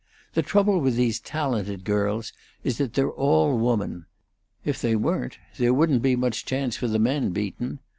The trouble with these talented girls is that they're all woman. If they weren't, there wouldn't be much chance for the men, Beaton.